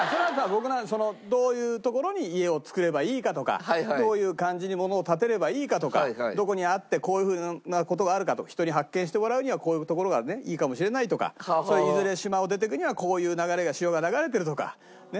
僕はどういう所に家を作ればいいかとかどういう感じにものを建てればいいかとかどこにあってこういう風な事があるかとか人に発見してもらうにはこういう所がねいいかもしれないとかいずれ島を出ていくにはこういう流れが潮が流れているとか。